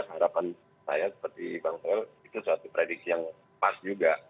harapan saya seperti bang toel itu suatu prediksi yang pas juga